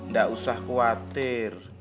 gak usah khawatir